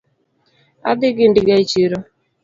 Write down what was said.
Adhi gi ndiga e chiro